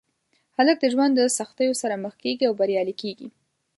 هلک د ژوند د سختیو سره مخ کېږي او بریالی کېږي.